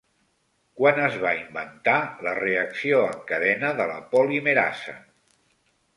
Quan es va inventar la reacció en cadena de la polimerasa?